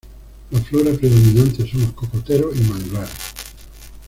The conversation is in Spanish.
La flora predominante son los cocoteros y manglares.